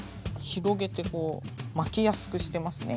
広げてこう巻きやすくしてますね